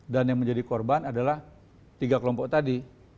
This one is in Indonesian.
yang menjadi korban adalah tiga kelompok tadi